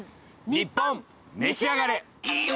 『ニッポンめしあがれ』。